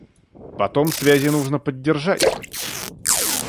Потом связи нужно поддержать.